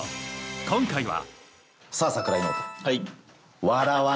今回は。